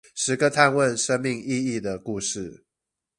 十個探問生命意義的故事